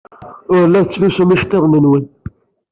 Ur la tettlusum iceḍḍiḍen-nwen.